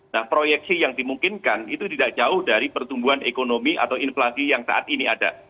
nah proyeksi yang dimungkinkan itu tidak jauh dari pertumbuhan ekonomi atau inflasi yang saat ini ada